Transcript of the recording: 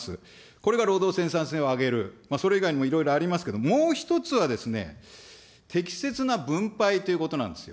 これが労働生産性を上げる、それ以外にもいろいろありますけれども、もう１つは、適切な分配ということなんですよ。